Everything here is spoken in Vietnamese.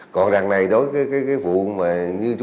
còn đằng này đối với cái vụ